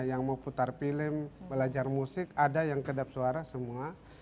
yang mau putar film belajar musik ada yang kedap suara semua